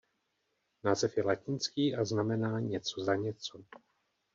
Název je latinský a znamená „něco za něco“.